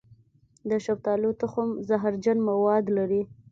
د شفتالو تخم زهرجن مواد لري.